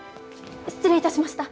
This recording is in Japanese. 失礼いたしました。